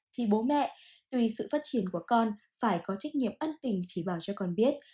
thì bố mẹ tuy sự phát triển của con phải có trách nhiệm ân tình chỉ bảo cho con biết